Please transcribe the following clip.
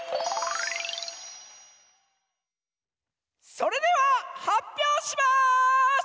それでははっぴょうします！